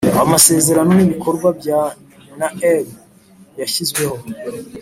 Amasezerano n ibikorwa bya naeb yashyizweho